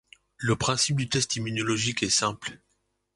Le principe du test immunologique est simple.